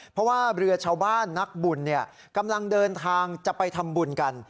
เพราะว่าเรือชาวบ้านนักบุญกำลังเดินทางจะไปทำบุญกัน